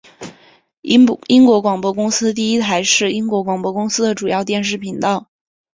英国广播公司第一台是英国广播公司的主要电视频道。